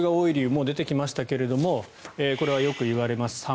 もう出てきましたがこれはよくいわれます三